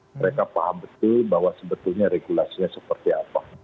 mereka paham betul bahwa sebetulnya regulasinya seperti apa